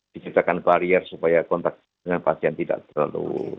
dijadikan barier supaya kontak dengan pasien tidak terlalu dekat